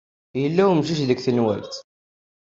Yella wemcic deg tenwalt.